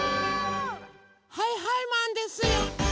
はいはいマンですよ！